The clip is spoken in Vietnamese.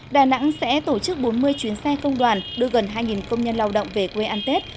đà nẵng sẽ tổ chức bốn mươi chuyến xe công đoàn đưa gần hai công nhân lao động về quê ăn tết